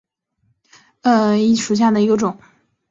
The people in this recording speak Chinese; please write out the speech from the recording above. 腺齿铁角蕨为铁角蕨科铁角蕨属下的一个种。